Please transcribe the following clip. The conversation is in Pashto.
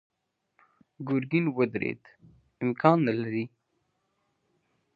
ګرګين ودرېد: امکان نه لري.